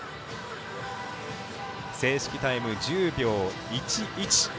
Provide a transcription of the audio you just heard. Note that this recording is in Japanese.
正式タイム１０秒１１。